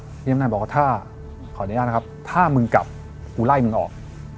พี่เซฟตี้เนี่ยบอกว่าขออนุญาตนะครับถ้ามึงกลับกูไล่มึงออก